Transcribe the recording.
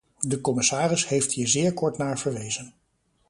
De commissaris heeft hier zeer kort naar verwezen.